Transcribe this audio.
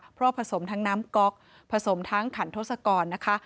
เพราะผสมทั้งน้ำก๊อกผสมทั้งขันทศกรนะคะ